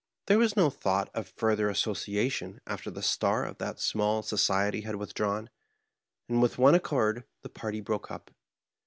There was no thought of further association after the star of that small society had withdrawn, and with one accord the party broke up.